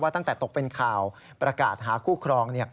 ตั้งแต่ตกเป็นข่าวประกาศหาคู่ครอง